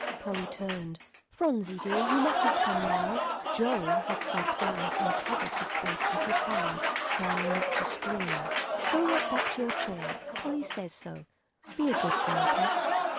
Polly turned. "Phronsie dear, you mustn't come now." Joel had sunk down and covered his face with his hands, trying not to scream. "Go right back to your chair, Polly says so. Be a good girl, Pet."